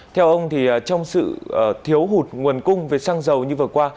theo ông thì trong sự thiếu hụt nguồn cung về xăng dầu như vừa qua